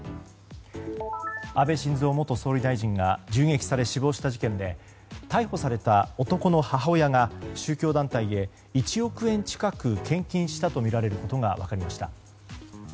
安倍晋三元総理大臣が銃撃され死亡した事件で逮捕された男の母親が宗教団体へ１億円近く献金したとみられることが分かりました。